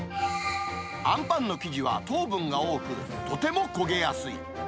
あんぱんの生地は糖分が多く、とても焦げやすい。